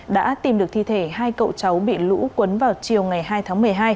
đã tìm được thi thể hai cậu cháu bị lũ cuốn vào chiều ngày hai tháng một mươi hai